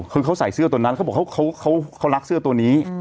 คือเขาใส่เสื้อตัวนั้นเขาบอกเขารักเสื้อตัวนี้